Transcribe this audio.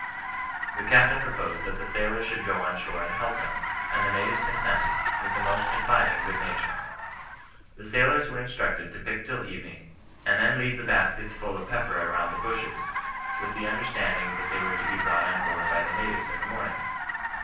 The Captain propoised that the sailors should go on shore and help them ; and the natives consented, with the most confiding good nature. The sailors were instructed to pick till evening, and then leave the baskets full of pepper around the bushes, with the understanding that they were to be brought on board by the natives in the morning.